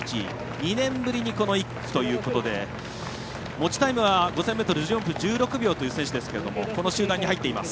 ２年ぶりに１区ということで持ちタイムは５０００ｍで１４分１６秒という選手ですがこの集団で走っています。